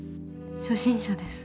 初心者です。